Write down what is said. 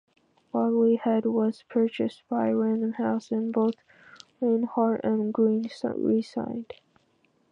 Bodley Head was purchased by Random House, and both Reinhardt and Greene resigned.